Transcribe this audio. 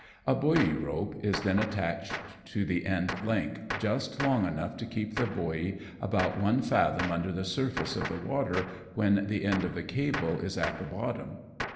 A buoy rope is then attached to the end link, just long enough to keep the buoy about one fathom under the surface of the water when the end of the cable is at the bottom.